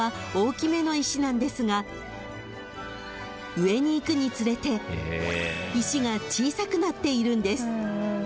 ［上にいくにつれて石が小さくなっているんです］